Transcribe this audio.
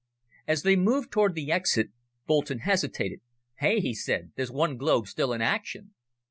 As they moved toward the exit, Boulton hesitated. "Hey," he said, "there's one globe still in action!"